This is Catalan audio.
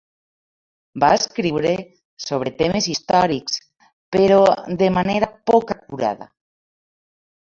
Va escriure sobre temes històrics però de manera poc acurada.